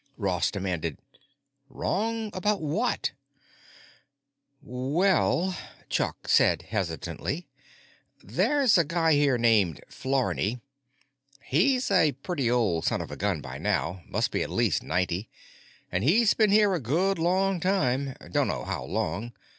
Ross demanded, "Wrong about what?" "Well," Chuck said hesitantly, "there's a guy here named Flarney. He's a pretty old son of a gun by now, must be at least ninety, and he's been here a good long time. Dunno how long.